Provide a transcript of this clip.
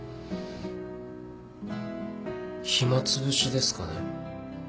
暇つぶしですかね。